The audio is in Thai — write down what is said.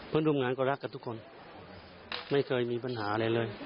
เพื่อนร่วมงานก็รักกันทุกคนไม่เคยมีปัญหาอะไรเลย